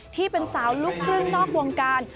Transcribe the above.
ที่เป็นสาวลูกครึ่งนอกวงการ